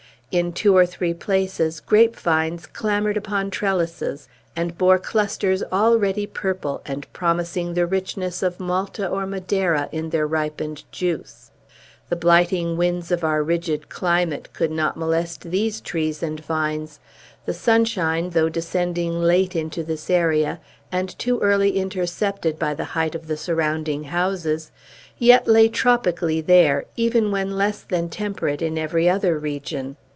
In two or three places grapevines clambered upon trellises, and bore clusters already purple, and promising the richness of Malta or Madeira in their ripened juice. The blighting winds of our rigid climate could not molest these trees and vines; the sunshine, though descending late into this area, and too early intercepted by the height of the surrounding houses, yet lay tropically there, even when less than temperate in every other region.